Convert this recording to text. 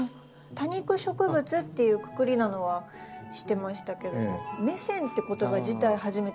多肉植物っていうくくりなのは知ってましたけどメセンって言葉自体初めて聞きました。